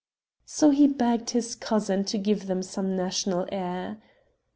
So he begged his cousin to give them some national air.